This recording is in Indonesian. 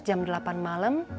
jam delapan malam